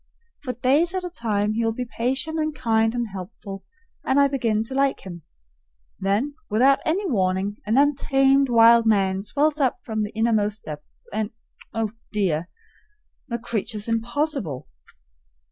For days at a time he will be patient and kind and helpful, and I begin to like him; then without any warning an untamed wild man swells up from the innermost depths, and oh, dear! the creature's impossible.